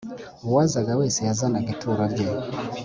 Uwazaga wese yazanaga ituro rye